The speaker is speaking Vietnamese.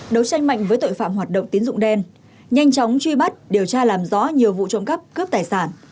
đấu tranh mạnh với tội phạm hoạt động tín dụng đen nhanh chóng truy bắt điều tra làm rõ nhiều vụ trộm cắp cướp tài sản